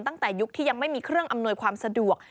ตั้งแต่ยุคที่ยังไม่มีเครื่องอำนวยความสะดวก